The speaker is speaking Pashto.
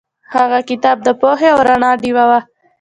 هغه کتاب د پوهې او رڼا ډیوه وه.